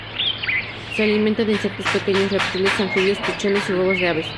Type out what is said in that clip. Se alimenta de insectos, pequeños reptiles, anfibios, pichones y huevos de aves.